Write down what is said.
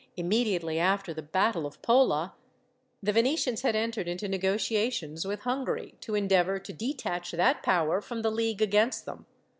Immediately after the battle of Pola, the Venetians had entered into negotiations with Hungary, to endeavour to detach that power from the league against them.